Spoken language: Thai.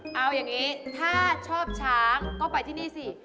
เอาอย่างนี้ถ้าชอบช้างก็ไปที่นี่สิ